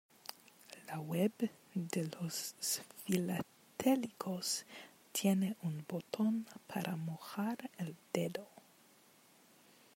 La web de los filatélicos tiene un botón para mojar el dedo.